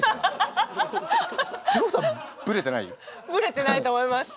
ブレてないと思います。